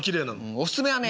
おすすめはね